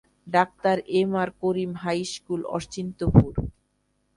Doctor M R Karim high school, Achintapur.